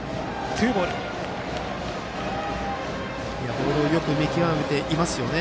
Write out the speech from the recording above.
ボールをよく見極めていますよね。